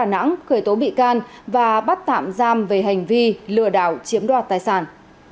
nắng khởi tố bị can và bắt tạm giam về hành vi lừa đảo chiếm đo tài sản